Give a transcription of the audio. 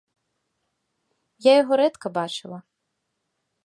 Я яго рэдка бачыла.